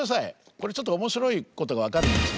これちょっと面白いことが分かるんですけど。